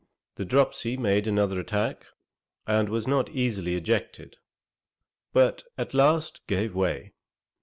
The dropsy made another attack, and was not easily ejected, but at last gave way.